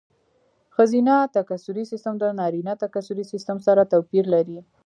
ښځینه تکثري سیستم د نارینه تکثري سیستم سره توپیر لري.